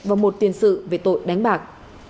và một tiền sự về tội đánh bạc